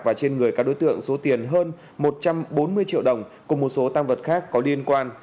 và trên người các đối tượng số tiền hơn một trăm bốn mươi triệu đồng cùng một số tăng vật khác có liên quan